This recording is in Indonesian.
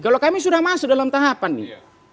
kalau kami sudah masuk dalam tahapan nih